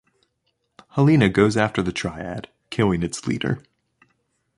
Helena goes after the Triad, killing its leader.